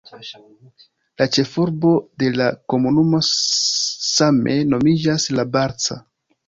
La ĉefurbo de la komunumo same nomiĝas "La Barca".